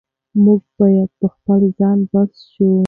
موږ باید په خپل ځان بسیا شو.